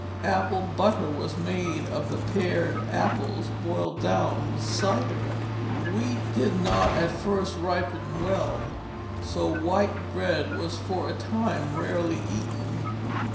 Apple butter was made of the pared apples boiled down with cider. Wheat did not at first ripen well, so white bread was for a time rarely eaten.